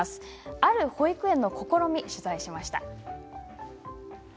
ある保育園の試みを取材しました。